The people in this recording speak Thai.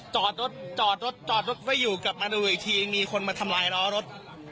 จอดรถจอดรถจอดรถไว้อยู่กลับมาดูอีกทีมีคนมาทำลายล้อรถ